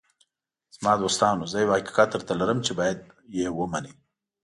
“زما دوستانو، زه یو حقیقت درته لرم چې باید یې ومنئ.